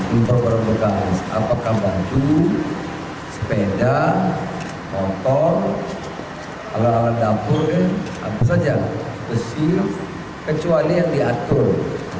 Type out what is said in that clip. impor barang bekas apakah batu sepeda motor alat alat dapur apa saja besi kecuali yang diatur